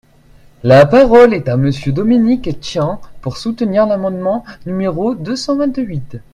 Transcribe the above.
La parole est à Monsieur Dominique Tian, pour soutenir l’amendement numéro deux cent vingt-huit.